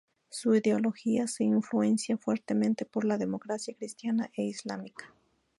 Su ideología se influencia fuertemente por la democracia cristiana e islámica.